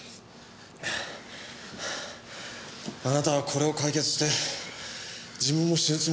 あなたはこれを解決して自分も死ぬつもりだって。